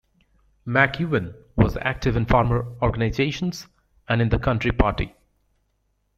McEwen was active in farmer organisations and in the Country Party.